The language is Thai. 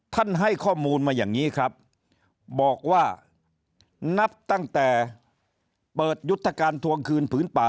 ให้ข้อมูลมาอย่างนี้ครับบอกว่านับตั้งแต่เปิดยุทธการทวงคืนผืนป่า